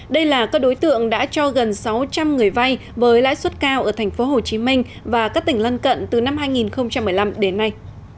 đây là các đối tượng đã cho gần sáu trăm linh người vay với lãi suất cao ở tp hcm và các tỉnh lân cận từ năm hai nghìn một mươi năm đến nay